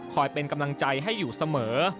เป็นกำลังใจให้อยู่เสมอ